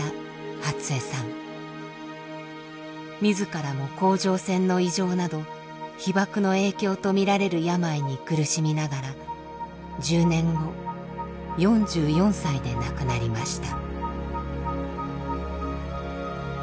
自らも甲状腺の異常など被ばくの影響と見られる病に苦しみながら１０年後４４歳で亡くなりました。